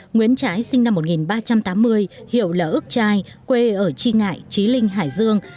nguyễn trái sinh năm một nghìn ba trăm tám mươi hiệu là ước trai quê ở tri ngại trí linh hải dương